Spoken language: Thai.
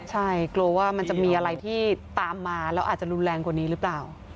ใช่กลัวว่ามันจะมีอะไรที่ตามมาแล้วอาจจะรุนแรงกว่านี้หรือเปล่า